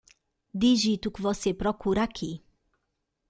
Digite o que você procura aqui.